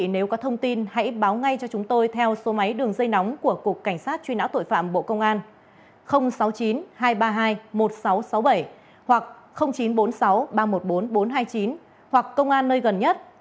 nếu có thông tin hãy báo ngay cho chúng tôi theo số máy đường dây nóng của cục cảnh sát truy nã tội phạm bộ công an sáu mươi chín hai trăm ba mươi hai một nghìn sáu trăm sáu mươi bảy hoặc chín trăm bốn mươi sáu ba trăm một mươi bốn bốn trăm hai mươi chín hoặc công an nơi gần nhất